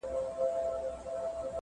په دربار چي د سلطان سو ور دننه.!